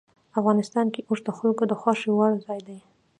افغانستان کې اوښ د خلکو د خوښې وړ ځای دی.